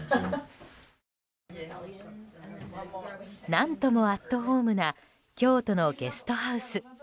何ともアットホームな京都のゲストハウス。